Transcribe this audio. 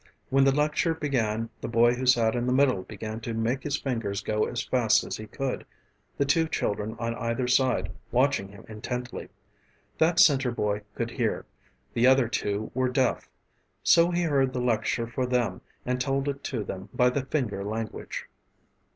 When the lecture began the boy who sat in the middle began to make his fingers go as fast as he could, the two children on either side watching him intently. That center boy could hear, the other two were deaf. So he heard the lecture for them and told it to them by the finger language.